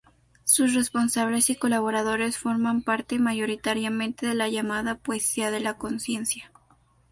Sus responsables y colaboradores forman parte, mayoritariamente, de la llamada poesía de la conciencia.